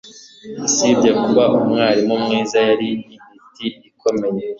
Usibye kuba umwarimu mwiza yari intiti ikomeye